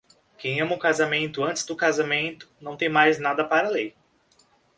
Quem ama o casamento antes do casamento não tem mais nada para a lei.